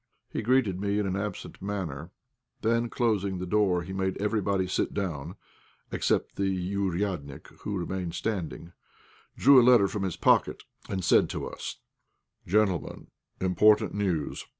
He greeted me in an absent manner. Then, closing the door, he made everybody sit down, except the "ouriadnik," who remained standing, drew a letter from his pocket, and said to us "Gentlemen, important news.